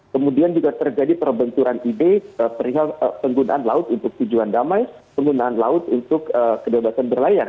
kemudian juga terjadi perbenturan ide penggunaan laut untuk tujuan damai penggunaan laut untuk kebebasan berlayar